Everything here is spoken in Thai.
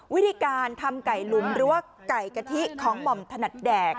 วิธีการทำไก่หลุมหรือว่าไก่กะทิของหม่อมถนัดแดก